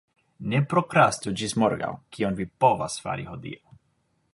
Ne prokrastu ĝis morgaŭ, kion vi povas fari hodiaŭ.